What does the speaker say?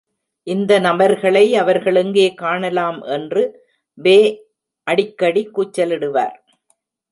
இந்த நபர்களை அவர்கள் எங்கே காணலாம் என்று பே அடிக்கடி கூச்சலிடுவார்?